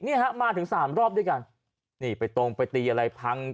นี่ฮะมาถึงสามรอบด้วยกันนี่ไปตรงไปตีอะไรพัง